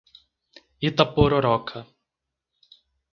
Itapororoca